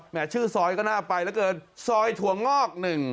ชื่อซอยก็น่าไปเหลือเกินซอยถั่วงอก๑